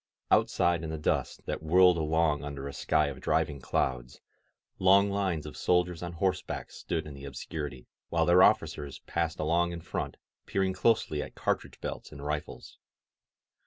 ••." Outside in the dust, that whirled along under a sky of driving clouds, long Mnes of soldiers on horseback stood in the obscurity, while their officers passed along in front, peering closely at cartridge belts and rifles.